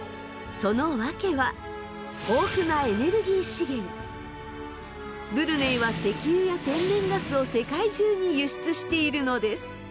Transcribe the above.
その訳はブルネイは石油や天然ガスを世界中に輸出しているのです。